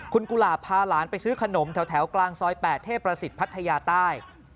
คุณกุหลาบพาหลานไปซื้อขนมแถวกลางซอย๘เทพประสิทธิ์พัทยาใต้